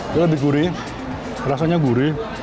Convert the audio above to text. itu lebih gurih rasanya gurih